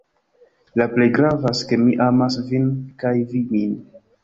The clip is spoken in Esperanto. La plej gravas, ke mi amas vin kaj vi min.